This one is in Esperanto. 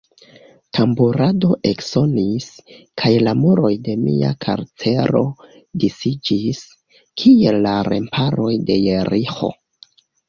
Tamburado eksonis, kaj la muroj de mia karcero disiĝis, kiel la remparoj de Jeriĥo.